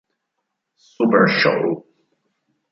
Super Show!.